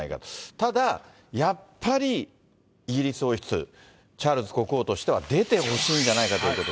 ただやっぱり、イギリス王室、チャールズ国王としては出てほしいんじゃないかということで。